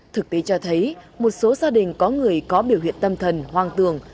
thực tế cho thấy một số gia đình có người có biểu hiện tâm thần hoang tường